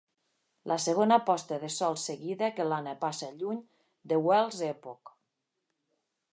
La segona posta de sol seguida que l'Anna passa lluny de Wells Epoch.